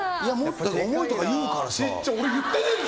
重いとか言うからさ。